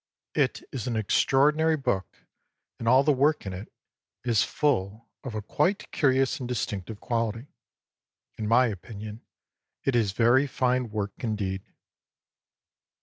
It is an extraordinary book, and all the work in it is full of a quite curious and dis tinctive quality. In my opinion it is very fine work indeed."